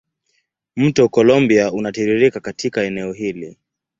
Mto Columbia unatiririka katika eneo hilo.